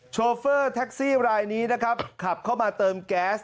โชเฟอร์แท็กซี่รายนี้นะครับขับเข้ามาเติมแก๊ส